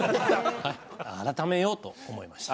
改めようと思いました。